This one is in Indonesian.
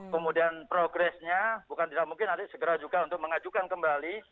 kemudian progresnya bukan tidak mungkin nanti segera juga untuk mengajukan kembali